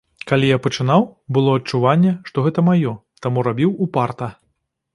Калі я пачынаў, было адчуванне, што гэта маё, таму рабіў упарта.